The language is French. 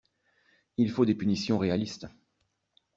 Il faut des punitions réalistes.